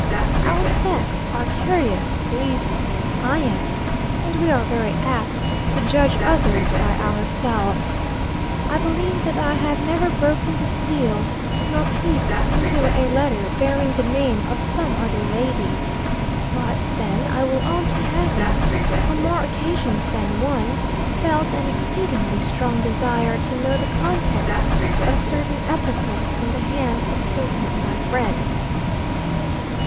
Our sex are curious; at least I am, and we are very apt to judge others by ourselves. I believe that I have never broken the seal nor peeped into a letter bearing the name of some other lady; but, then, I will own to having, on more occasions than one, felt an exceedingly strong desire to know the contents of certain epistles in the hands of certain of my friends.